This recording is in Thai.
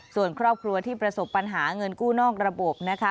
ส่วนครอบครัวที่ประสบปัญหาเงินกู้นอกระบบนะคะ